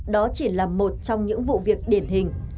đó chỉ là một trong những vụ việc điển hình